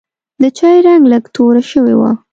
د چای رنګ لږ توره شوی و.